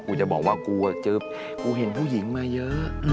จะบอกว่ากูเห็นผู้หญิงมาเยอะ